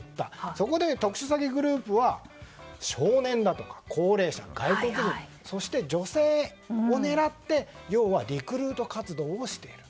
そこで、特殊詐欺グループは少年だとか、高齢者外国人、そして女性を狙って要はリクルート活動をしている。